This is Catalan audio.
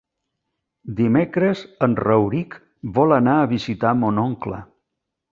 Dimecres en Rauric vol anar a visitar mon oncle.